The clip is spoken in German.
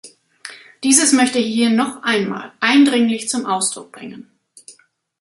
Dieses möchte ich hier noch einmal eindringlich zum Ausdruck bringen.